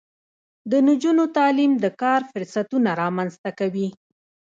د نجونو تعلیم د کار فرصتونه رامنځته کوي.